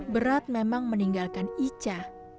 berat memang meninggalkan icah